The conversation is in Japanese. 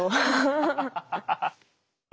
ハハハハッ。